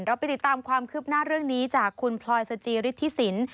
เราไปติดตามความคืบหน้าเรื่องนี้จากคุณพลอยสจิฤทธิสิน